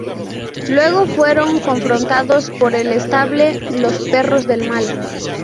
Luego fueron confrontados por el "stable" Los Perros del Mal.